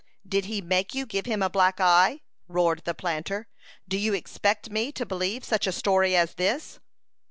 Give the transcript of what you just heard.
"Did he make you give him a black eye?" roared the planter. "Do you expect me to believe such a story as this?"